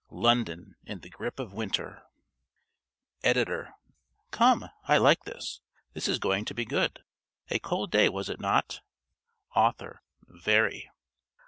London in the grip of winter! (~Editor.~ Come, I like this. This is going to be good. A cold day was it not? ~Author.~ _Very.